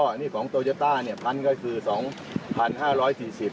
อันนี้ของเนี่ยพันธุ์ก็คือสองพันห้าร้อยสี่สิบ